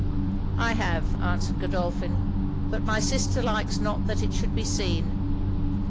'I have,' answered Godolphin; 'but my sister likes not that it should be seen.